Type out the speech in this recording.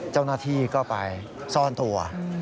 เจ้าหน้าที่ก็ไปซ่อนตัว